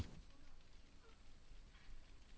hẹn gặp lại các bạn trong những video tiếp theo